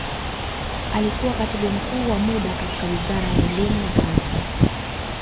alikuwa katibu mkuu wa muda katika wizara ya elimu zanzibar